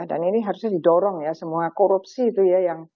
dan ini harusnya didorong ya semua korupsi itu ya